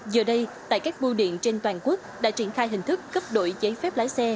giờ đây tại các bu điện trên toàn quốc đã triển khai hình thức cấp đổi giấy phép lái xe